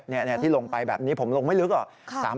นี่ที่ลงไปแบบนี้ผมลงไม่ลึกหรอก